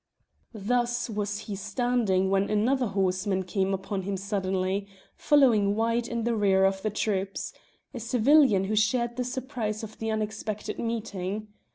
Thus was he standing when another horseman came upon him suddenly, following wide in the rear of the troops a civilian who shared the surprise of the unexpected meeting.